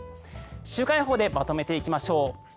週間予報でまとめていきましょう。